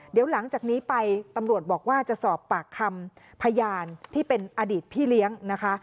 เดี๋ยวหลังจากนี้ไปตำรวจบอกว่าจะสอบปากคำพยานที่เป็นอดีตพี่เลี้ยงนะคะ